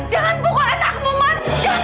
jangan buka anakmu man